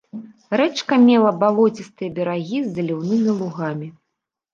Рэчка мела балоцістыя берагі з заліўнымі лугамі.